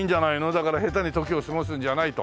だから下手に時を過ごすんじゃないと。